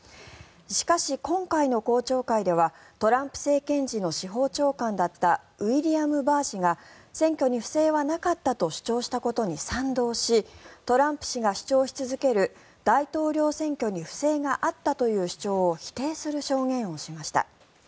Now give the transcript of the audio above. しかし、今回の公聴会ではトランプ政権時の司法長官だったウィリアム・バー氏が選挙に不正はなかったと主張したことに賛同しトランプ氏が主張し続ける大統領選挙に不正があったという主張を否定する証言をしました。